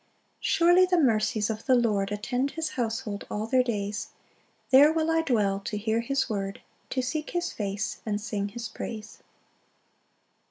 8 Surely the mercies of the Lord Attend his household all their days; There will I dwell to hear his word, To seek his face, and sing his praise.